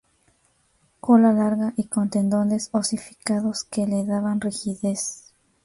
Cola larga y con tendones osificados que le daban rigidez.